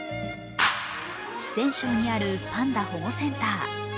四川省にあるパンダ保護センター。